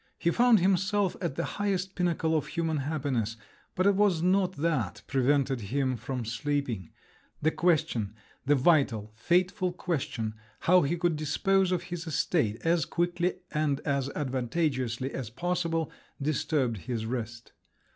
He found himself at the highest pinnacle of human happiness; but it was not that prevented him from sleeping; the question, the vital, fateful question—how he could dispose of his estate as quickly and as advantageously as possible—disturbed his rest.